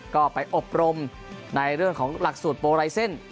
ก็ไปอบรมในเรื่องของหลักสูตรโปรไลเซ็นต์